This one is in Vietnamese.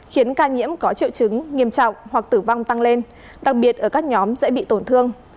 khiến ca nhiễm có triệu chứng nghiêm trọng hoặc tử vong tăng lên đặc biệt ở các nhóm dễ bị tổn thương